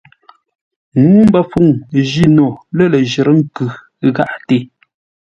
Ŋuu mbəfuŋ jî no lə̂ ləjərə́ nkʉ gháʼate.